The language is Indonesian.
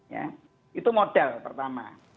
ya itu model pertama